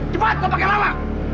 cepet gak pakai lama